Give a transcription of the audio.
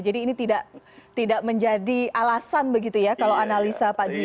jadi ini tidak menjadi alasan begitu ya kalau analisa pak dwi ya